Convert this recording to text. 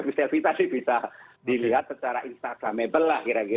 tapi sel sel kita sih bisa dilihat secara instagamable lah kira kira